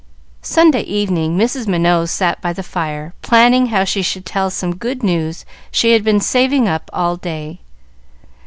Sunday evening Mrs. Minot sat by the fire, planning how she should tell some good news she had been saving up all day.